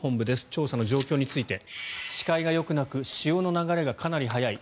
調査の状況について視界がよくなく潮の流れがかなり速い。